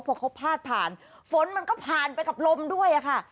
พอเขาพาดผ่านฝนมันก็ผ่านไปกับลมด้วยค่ะ